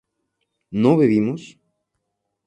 ¿no bebimos?